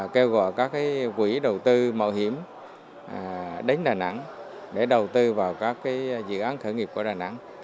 kêu gọi các quỹ đầu tư mạo hiểm đến đà nẵng để đầu tư vào các dự án khởi nghiệp của đà nẵng